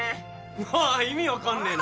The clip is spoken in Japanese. なあ意味分かんねえな。